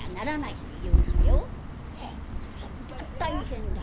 「はっそりゃ大変だ。